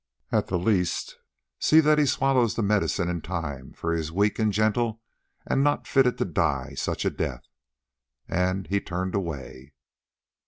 At the least see that he swallows the medicine in time, for he is weak and gentle and not fitted to die such a death," and he turned away.